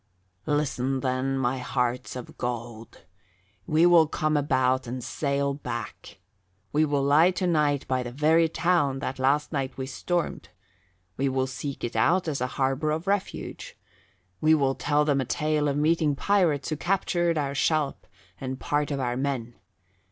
"Listen, then, my hearts of gold: we will come about and sail back. We will lie tonight by the very town that last night we stormed. We will seek it out as a harbour of refuge. We will tell them a tale of meeting pirates who captured our shallop and part of our men.